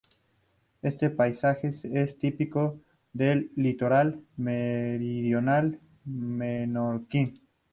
Este paisaje es típico del litoral meridional menorquín.